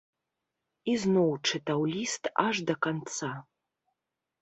І зноў чытаў ліст аж да канца.